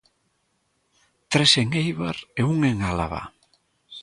Tres en Eibar e un en Álava.